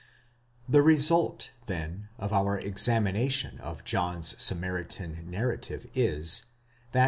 ! The result, then, of our examination of John's Samaritan narrative is, that.